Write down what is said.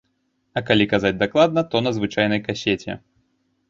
А калі казаць дакладна, то на звычайнай касеце.